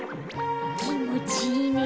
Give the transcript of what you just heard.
きもちいいね。